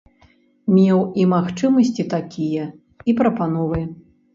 Меў і магчымасці такія, і прапановы.